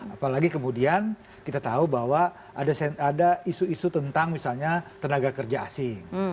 apalagi kemudian kita tahu bahwa ada isu isu tentang misalnya tenaga kerja asing